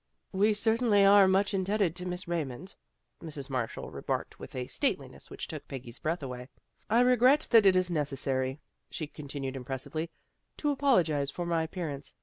"" We certainly are much indebted to Miss Raymond," Mrs. Marshall remarked with a stateliness which took Peggy's breath away. " I regret that it is necessary," she continued impressively, " to apologize for my appear ance.